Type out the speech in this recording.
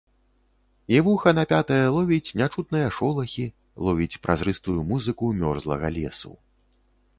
І вуха напятае ловіць нячутныя шолахі, ловіць празрыстую музыку мёрзлага лесу.